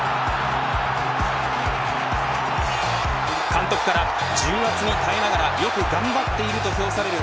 監督から重圧に耐えながらよく頑張っていると評される